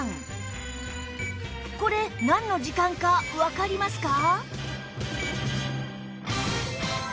これなんの時間かわかりますか？